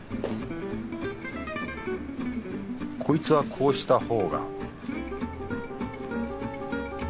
こいつはこうしたほうが